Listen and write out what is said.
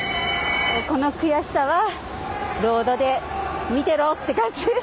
この悔しさはロードで見てろって感じです。